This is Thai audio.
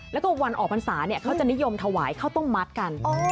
แล้วก็วันออกพรรษาเขาจะนิยมถวายข้าวต้มมัดกัน